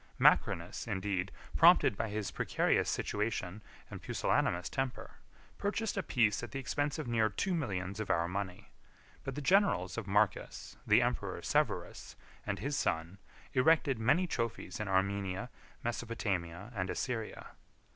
Macrinus, indeed, prompted by his precarious situation and pusillanimous temper, purchased a peace at the expense of near two millions of our money; 37 but the generals of Marcus, the emperor Severus, and his son, erected many trophies in Armenia, Mesopotamia, and Assyria.